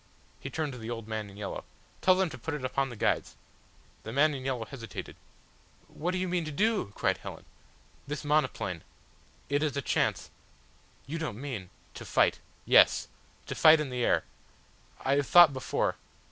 He turned to the old man in yellow. "Tell them to put it upon the guides." The man in yellow hesitated. "What do you mean to do?" cried Helen. "This monoplane it is a chance ." "You don't mean ?" "To fight yes. To fight in the air. I have thought before